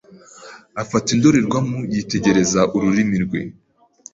Afata indorerwamo yitegereza ururimi rwe.